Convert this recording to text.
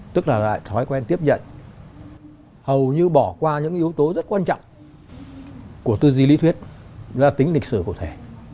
tức là lại thói quen tiếp nhận hầu như bỏ qua những yếu tố rất quan trọng của tư duy lý thuyết là tính lịch sử cụ thể